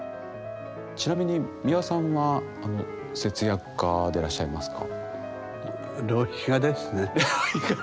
ちなみに美輪さんは節約家でいらっしゃいますか？